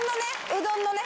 うどんのね